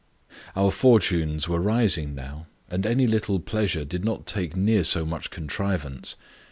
Our fortunes were rising now, and any little pleasure did not take near so much contrivance.